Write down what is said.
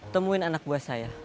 temuin anak buah saya